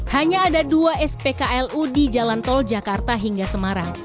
hanya ada dua spklu di jalan tol jakarta hingga semarang